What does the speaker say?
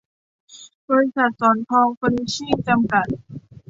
บริษัท ศรทองเฟอนิชชิ่ง จำกัด